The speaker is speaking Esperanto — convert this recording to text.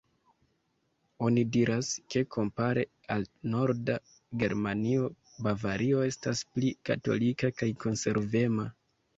Oni diras, ke kompare al norda Germanio, Bavario estas pli katolika kaj konservema.